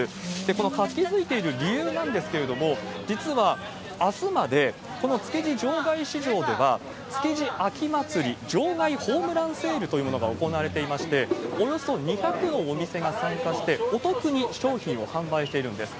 この活気づいている理由なんですけれども、実はあすまでこの築地場外市場では、築地秋まつり場外ホームランセールというものが行われていまして、およそ２００のお店が参加して、お得に商品を販売しているんです。